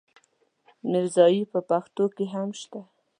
ميرزايي په پښتو کې هم شته.